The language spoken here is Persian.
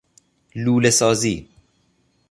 لوله سازی